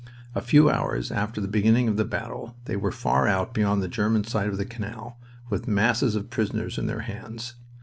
A few hours after the beginning of the battle they were far out beyond the German side of the canal, with masses of prisoners in their hands.